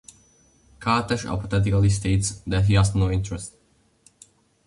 Kartesh apathetically states that he has no interest.